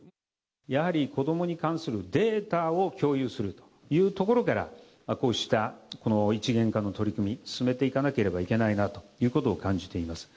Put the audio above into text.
やはり子どもに関するデータを共有するというところから、こうしたこの一元化の取り組み、進めていかなければいけないなということを感じております。